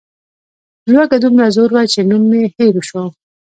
لوږه دومره زور وه چې نوم مې هېر شو.